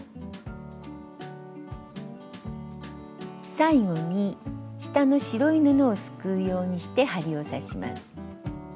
最後に下の白い布をすくうようにして針を刺します。